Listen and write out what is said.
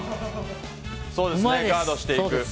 うまくガードしていく。